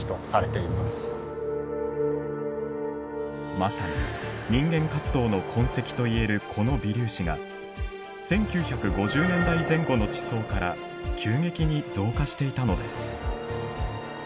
まさに人間活動の痕跡と言えるこの微粒子が１９５０年代前後の地層から急激に増加していたのです。